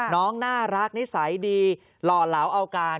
น้องน่ารักนิสัยดีหล่อเหลาเอาการ